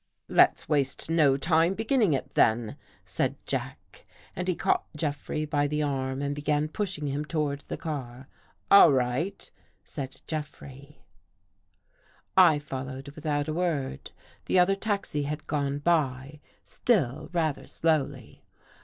" Let's waste no time beginning it, then," said Jack and he caught Jeffrey by the arm and began pushing him toward the car. " All right," said Jeffrey. 201 14 THE GHOST GIRL I followed without a word* The other taxi had gone by, still rather slowly.